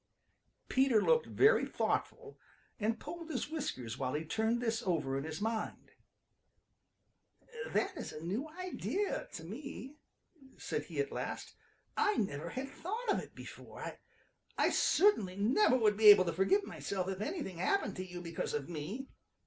Peter looked very thoughtful and pulled his whiskers while he turned this over in his mind. "That is a new idea to me," said he at last. "I never had thought of it before. I certainly never would be able to forgive myself if anything happened to you because of me."